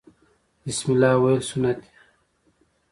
بسم الله ویل سنت دي